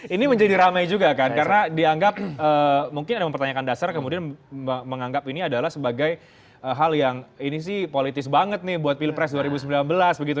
ini menjadi ramai juga kan karena dianggap mungkin ada mempertanyakan dasar kemudian menganggap ini adalah sebagai hal yang ini sih politis banget nih buat pilpres dua ribu sembilan belas begitu